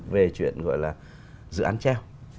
về chuyện gọi là dự án treo